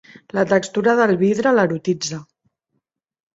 La textura del vidre l'erotitza.